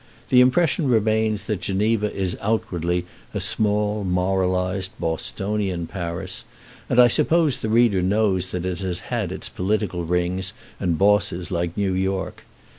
The impression remains that Geneva is outwardly a small moralized Bostonian Paris; and I suppose the reader knows that it has had its political rings and bosses like New York.